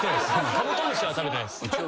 カブトムシは食べてないです。